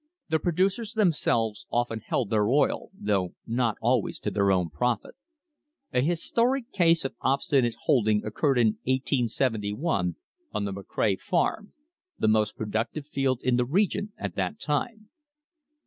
The producers themselves often held their oil, though not always to their own profit. A historic case of obstinate holding occurred in 1871 on the "McCray farm," the most productive field in the region at that time.